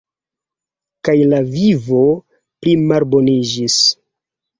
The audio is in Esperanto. Kaj la vivo plimalboniĝis.